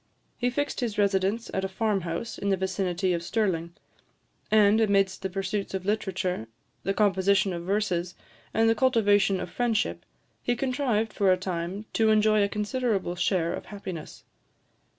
He fixed his residence at a farm house in the vicinity of Stirling; and, amidst the pursuits of literature, the composition of verses, and the cultivation of friendship, he contrived, for a time, to enjoy a considerable share of happiness.